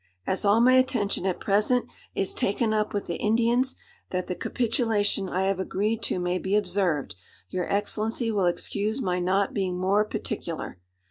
As all my attention at present is taken up with the Indians, that the capitulation I have agreed to may be observed, your Excellency will excuse my not being more particular.